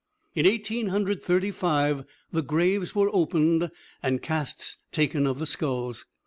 In Eighteen Hundred Thirty five, the graves were opened and casts taken of the skulls.